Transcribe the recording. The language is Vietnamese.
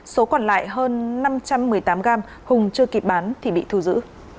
số còn lại hơn năm trăm một mươi tám gram hùng chưa kịp bán thì bị thu giữ